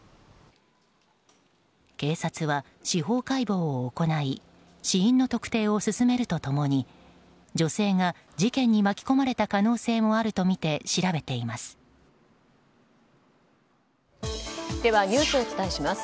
警察は司法解剖を行い死因の特定を進めると共に女性が、事件に巻き込まれた可能性もあるとみて調べています。